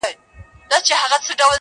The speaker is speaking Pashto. باران به اوري څوک به ځای نه درکوینه-